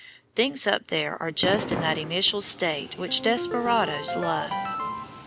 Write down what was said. Things up there are just in that initial state which desperadoes love.